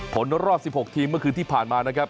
ผลรอบ๑๖ทีมเมื่อคืนที่ผ่านมานะครับ